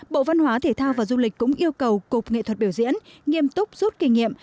bộ văn hóa thể thao và du lịch cũng yêu cầu cục nghệ thuật biểu diễn nghiêm túc rút kinh nghiệm